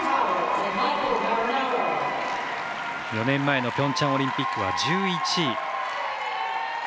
４年前のピョンチャンオリンピックは１１位。